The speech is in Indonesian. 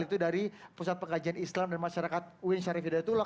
itu dari pusat pengkajian islam dan masyarakat uin syarif hidayatullah